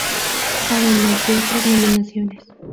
Además de otras nominaciones.